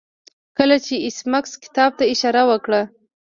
کله چې ایس میکس کتاب ته اشاره وکړه